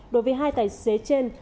đối với hai tài xế trên